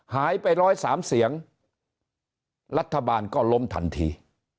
หายไป๑๐๓เสียงรัฐบาลก็ล้มทันที